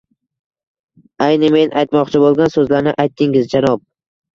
–Ayni men aytmoqchi bo‘lgan so‘zlarni aytdingiz, janob!